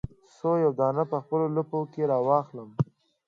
څو یادونه په خپل لپو کې را اخلم